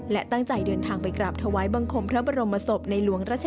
และตั้งใจเดินทางไปกราบถวาย